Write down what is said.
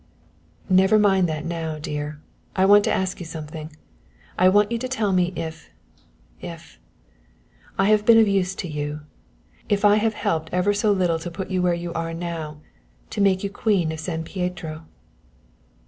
"Never mind that now, dear. I want to ask you something. I want you to tell me if if I have been of use to you, if I have helped ever so little to put you where you are now to make you Queen of San Pietro."